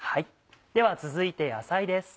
では続いて野菜です。